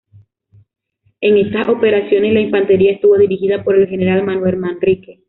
En estas operaciones la infantería estuvo dirigida por el general Manuel Manrique.